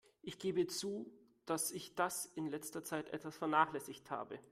Ich gebe zu, dass ich das in letzter Zeit etwas vernachlässigt habe.